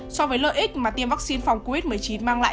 so với lợi ích mà tiêm vắc xin phòng covid một mươi chín mang lại